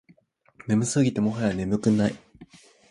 眠すぎてもはや眠くない